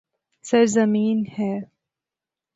سرزمین ہے